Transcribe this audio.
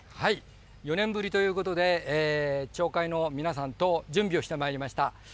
４年ぶりということで、町会の皆さんと準備をしてまいりました。